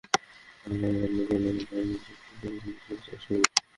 আগাম আলু তুলে অনেক কৃষক একই জমিতে বিভিন্ন সবজি চাষ শুরু করেছেন।